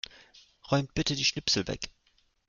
Räumt bitte die Schnipsel weg.